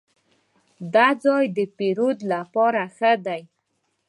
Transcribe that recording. دا ځای د پیرود لپاره ښه دی.